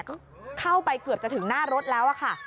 ก็เข้าไปเกือบจะถึงหน้ารถแล้วค่ะ